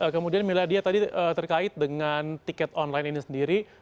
kemudian miladia tadi terkait dengan tiket online ini sendiri